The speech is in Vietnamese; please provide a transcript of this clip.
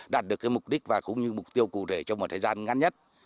đạt được mục đích và cũng như mục tiêu cụ thể trong một thời gian ngắn nhất